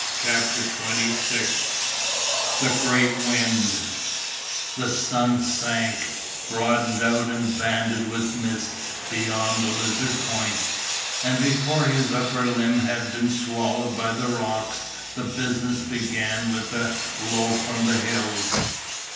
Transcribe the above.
CHAPTER XXVI THE GREAT WIND The sun sank, broadened out and banded with mist beyond the Lizard Point, and before his upper limb had been swallowed by the rocks the business began with a blow from the hills.